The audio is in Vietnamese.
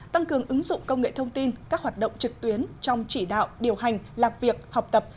tăng cường ứng dụng công nghệ thông tin các hoạt động trực tuyến trong chỉ đạo điều hành làm việc học tập